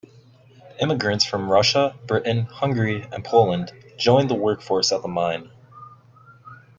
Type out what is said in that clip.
Immigrants from Russia, Britain, Hungary and Poland joined the work force at the mine.